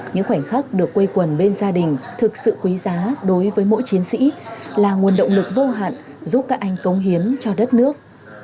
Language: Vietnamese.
những khoảnh khắc được quây quần bên gia đình thực sự quý giá đối với mỗi chiến sĩ là nguồn động lực vô hạn giúp các anh công hiến cho đất nước